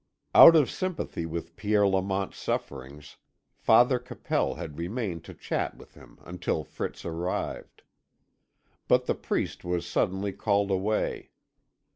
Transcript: Out of sympathy with Pierre Lamont's sufferings Father Capel had remained to chat with him until Fritz arrived. But the priest was suddenly called away.